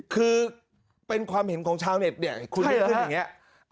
คือเป็นความเห็นของชาวเน็ตเนี่ยคุณลุกขึ้นอย่างนี้